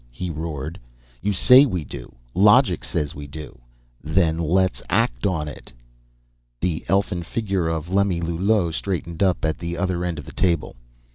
he roared. "You say we do. Logic says we do. Then let's act on it!" The elfin figure of Lemillulot straightened up at the other end of the table.